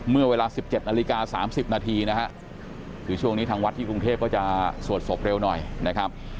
เมื่อเวลา๑๗นาฬิกา๓๐นาทีนะฮะคือช่วงนี้ทางวัดที่กรุงเทพก็จะสวดศพเร็วหน่อยนะครับ